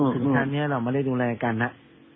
คือชาตินี้เราไม่ได้ดูแลกันนะ